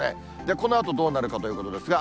このあと、どうなるかということですが。